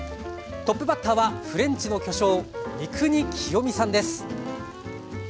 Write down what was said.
トップバッターはフレンチの巨匠三國清三さんです。